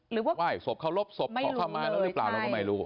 ไหว้ศพเคารพศพขอเข้ามาแล้วหรือเปล่าเราก็ไม่รู้